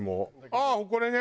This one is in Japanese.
ああこれね。